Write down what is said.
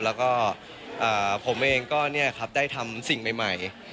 แล้วก็เอ่อผมเองก็เนี่ยครับได้ทำสิ่งใหม่